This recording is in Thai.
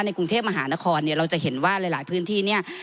กรุงเทพมหานครเนี่ยเราจะเห็นว่าหลายพื้นที่เนี่ย